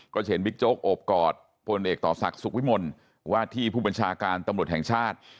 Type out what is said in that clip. จะเห็นบิ๊กโจ๊กโอบกอดพลเอกต่อศักดิ์สุขวิมลว่าที่ผู้บัญชาการตำรวจแห่งชาติ